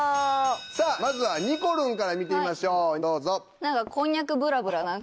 さぁまずはにこるんから見てみましょうどうぞ。